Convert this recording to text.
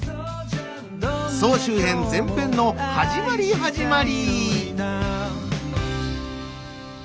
総集編前編の始まり始まり。